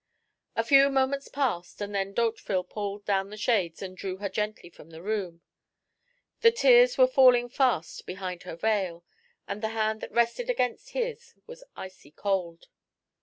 A few moments passed, and then D'Hauteville pulled down the shades and drew her gently from the room. The tears were falling fast behind her veil, and the hand that rested against his was icy cold.